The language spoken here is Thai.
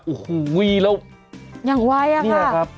โอ้โหอุ้ยแล้วยังไว้อะครับ